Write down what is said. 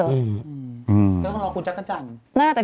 แล้วก็ร้องคุณชักน่ารักชัน